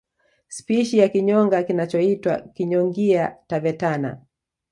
Spishi ya kinyonga kinachoitwa Kinyongia tavetana